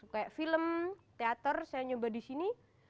kayak film teater saya nyoba disini